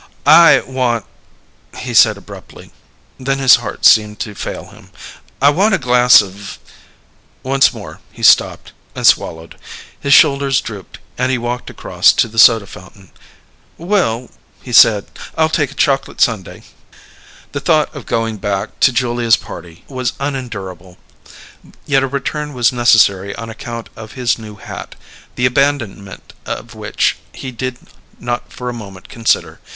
"I want " he said abruptly, then his heart seemed to fail him. "I want a glass of " Once more he stopped and swallowed. His shoulders drooped, and he walked across to the soda fountain. "Well," he said, "I'll take a chocolate sundae." The thought of going back to Julia's party was unendurable, yet a return was necessary on account of his new hat, the abandonment of which he did not for a moment consider.